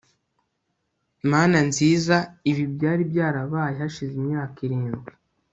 mana nziza, ibi byari byarabaye hashize imyaka irindwi